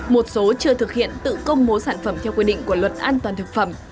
một số chưa thực hiện tự công bố sản phẩm theo quy định của luật an toàn thực phẩm